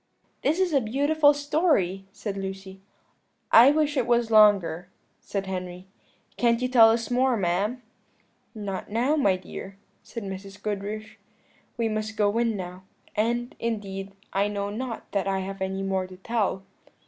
"This is a beautiful story," said Lucy. "I wish it was longer," said Henry; "can't you tell us more, ma'am?" "Not now, my dear," said Mrs. Goodriche, "we must go in now; and, indeed, I know not that I have any more to tell."